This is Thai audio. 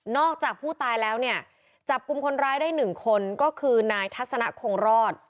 จากผู้ตายแล้วเนี่ยจับกลุ่มคนร้ายได้หนึ่งคนก็คือนายทัศนะคงรอด